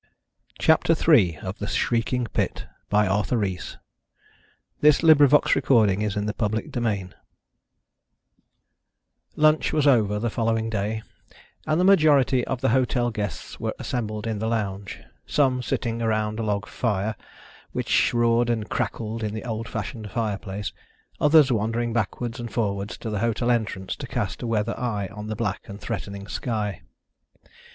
arnt, to his surprise, that he had departed from the hotel an hour or so after his illness. CHAPTER III Lunch was over the following day, and the majority of the hotel guests were assembled in the lounge, some sitting round a log fire which roared and crackled in the old fashioned fireplace, others wandering backwards and forwards to the hotel entrance to cast a weather eye on the black and threatening sky.